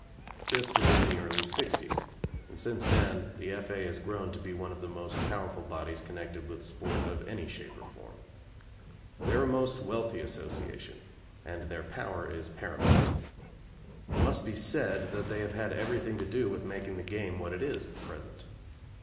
This was in the early sixties, and since then the F.A. has grown to be one of the most powerful bodies connected with sport of any shape or form. They are a most wealthy association, and their power is paramount. It must be said that they have had everything to do with making the game what it is at present.